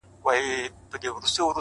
مخامخ وتراشل سوي بت ته ناست دی،